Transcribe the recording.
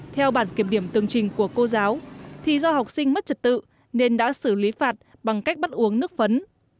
theo bản kiểm điểm tương trình của cô giáo thì do học sinh mất trật tự nên đã xử lý phạt bằng cách bắt uống nước phấn